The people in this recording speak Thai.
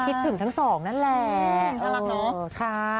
คิดถึงทั้งสองนั่นแหละ